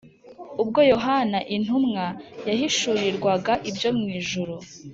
. Ubwo Yohana intumwa yahishurirwaga ibyo mw’ijuru